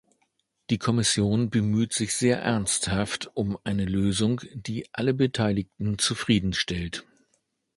Die Kommission bemüht sich sehr ernsthaft um eine Lösung, die alle Beteiligten zufrieden stellt.